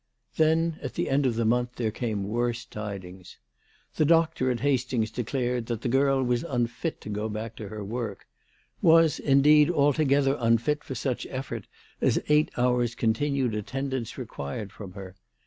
Then at the end of the month there came worse tidings. The doctor at Hastings declared that the girl was unfit to go back to her work, was, in deed, altogether unfit for such effort as eight hours' continued attendance required from her.